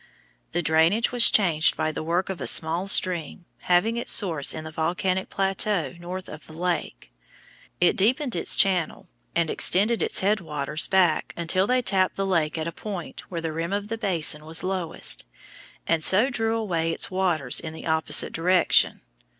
The drainage was changed by the work of a small stream having its source in the volcanic plateau north of the lake. It deepened its channel and extended its head waters back until they tapped the lake at a point where the rim of the basin was lowest, and so drew away its waters in the opposite direction.